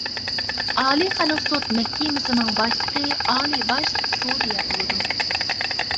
ئالىي خەلق سوت مەھكىمىسىنىڭ باشلىقى ئالىي باش سودىيە بولىدۇ.